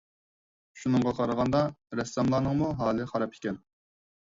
شۇنىڭغا قارىغاندا، رەسساملارنىڭمۇ ھالى خاراب ئىكەن.